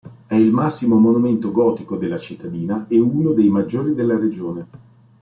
È il massimo monumento gotico della cittadina e uno dei maggiori della regione.